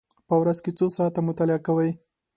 په ورځ کې څو ساعته مطالعه کوئ؟